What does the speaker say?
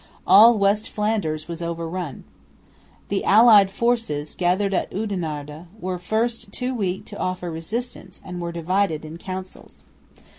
All west Flanders was overrun. The allied forces, gathered at Oudenarde, were at first too weak to offer resistance, and were divided in counsels.